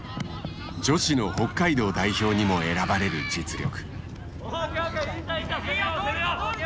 女子の北海道代表にも選ばれる実力。